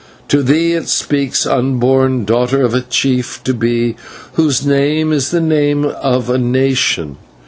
To thee it speaks, unborn daughter of a chief to be, whose name is the name of a nation.